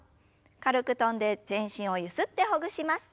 軽く跳んで全身をゆすってほぐします。